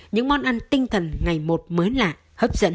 những món ăn tinh thần ngày một mới lạ hấp dẫn